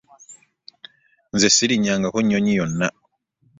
Nze sirinyangako nyonyi yona.